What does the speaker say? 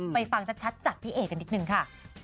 ฟังชัดจากพี่เอ๋กันนิดนึงค่ะ